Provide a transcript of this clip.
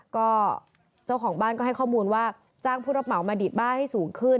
ก็เจ้าของบ้านก็ให้ข้อมูลว่าจ้างผู้รับเหมามาดีดบ้านให้สูงขึ้น